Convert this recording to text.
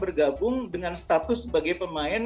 bergabung dengan status sebagai pemain